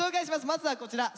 まずはこちら。